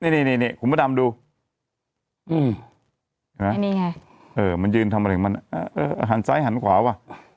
นี่ขุมประดำดูมันยืนทำอะไรหันซ้ายหันขวาว่ะ